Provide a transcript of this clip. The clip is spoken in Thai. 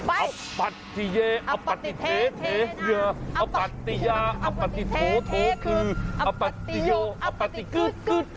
อัปติเยอัปติเทเทอัปติยาอัปติโถโถคืออัปติโยอัปติกึ๊ด